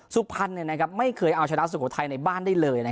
สุขภัณฑ์นะครับไม่เคยเอาชนะสุโขทัยในบ้านได้เลย